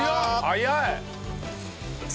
早い！